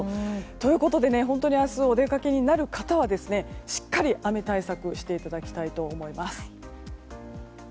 ということで本当に明日お出かけになる方はしっかり雨対策をしていただきたいと思います。